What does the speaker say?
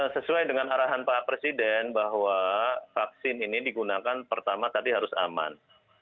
sesuai dengan arahan pak presiden bahwa vaksin ini digunakan pertama tadi harus aman